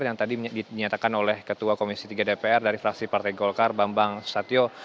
yang tadi dinyatakan oleh ketua komisi tiga dpr dari fraksi partai golkar bambang susatyo